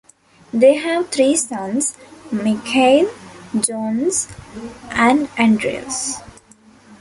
They have three sons, Mikael, Jonas and Andreas.